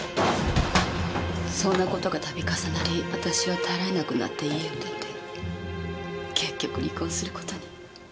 そんな事が度重なり私は耐えられなくなって家を出て結局離婚する事に。